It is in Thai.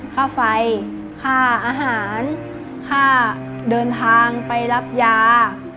ข้าวไฟข้าวอาหารข้าวเดินทางไปรับยา